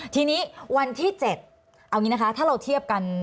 ทีนี้วันที่๗เอาอย่างนี้นะคะถ้าเราเทียบกัน